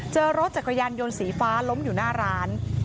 เจอรถจักรยานยนต์สีฟ้าล้มอยู่หน้าร้าน